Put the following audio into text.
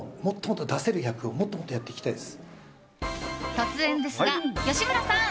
突然ですが、吉村さん！